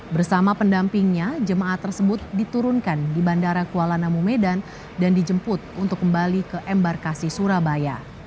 bersama pendampingnya jemaat tersebut diturunkan di bandara kuala namu medan dan dijemput untuk kembali ke embarkasi surabaya